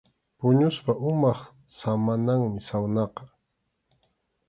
Puñuspa umap samananmi sawnaqa.